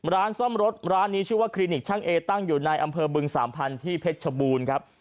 ร้านซ่อมรถร้านนี้ชื่อว่าคลินิกช่างเอตั้งอยู่ในอำเภอบึงสามพันธุ์ที่เพชรชบูรณ์ครับ